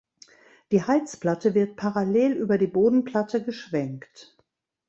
Die Heizplatte wird parallel über die Bodenplatte geschwenkt.